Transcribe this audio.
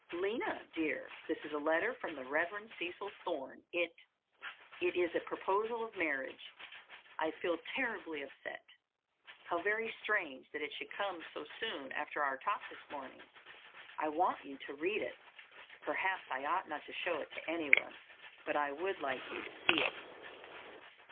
"Lina, dear, this is a letter from the Rev. Cecil Thorne. It—it is—a proposal of marriage. I feel terribly upset. How very strange that it should come so soon after our talk this morning! I want you to read it! Perhaps I ought not to show it to anyone—but I would like you to see it."